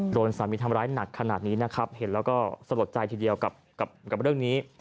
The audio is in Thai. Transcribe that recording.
โดนสามีทำร้ายหนักขนาดนี้นะครับเห็นแล้วก็สลดใจทีเดียวกับเรื่องนี้